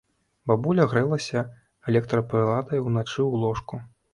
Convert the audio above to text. Бабуля грэлася электрапрыладай уначы ў ложку.